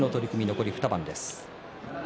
残り２番です。